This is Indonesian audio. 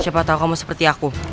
siapa tahu kamu seperti aku